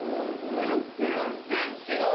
けど全然違う！